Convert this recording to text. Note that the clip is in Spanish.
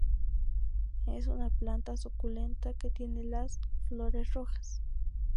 Es un planta suculenta que tiene las flores rojas.